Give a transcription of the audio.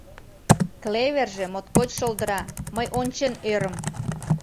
Клеверже моткоч шолдыра, мый ончен ӧрым.